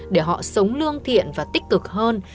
để họ sống lương thiện và tích cực hơn